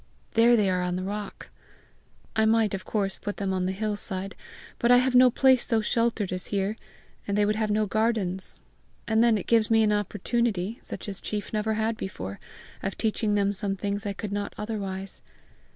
There they are on the rock. I might, of course, put them on the hillside, but I have no place so sheltered as here, and they would have no gardens. And then it gives me an opportunity, such as chief never had before, of teaching them some things I could not otherwise.